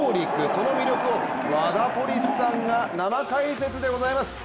その魅力をワダポリスさんが生解説でございます。